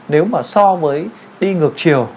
nếu mà so với đi ngược chiều